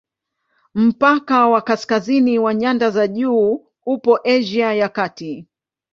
Mpaka wa kaskazini wa nyanda za juu upo Asia ya Kati.